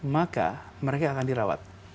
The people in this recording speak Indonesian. maka mereka akan dirawat